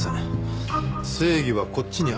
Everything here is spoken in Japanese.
正義はこっちにある。